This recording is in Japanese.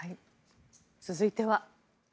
続いては。